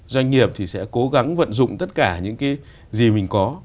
doanh nghiệp thì sẽ cố gắng vận dụng tất cả những cái gì mình có